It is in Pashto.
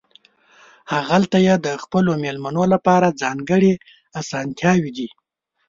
هغلته یې د خپلو مېلمنو لپاره ځانګړې اسانتیاوې دي.